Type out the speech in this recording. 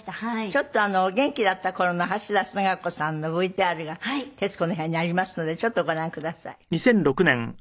ちょっとお元気だった頃の橋田壽賀子さんのＶＴＲが『徹子の部屋』にありますのでちょっとご覧ください。